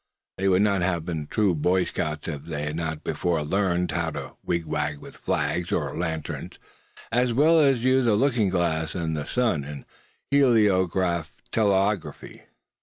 They would not have been true Boy Scouts if they had not before now learned how to wigwag with flags, or lanterns, as well as use a looking glass in the sun in heliograph telegraphy.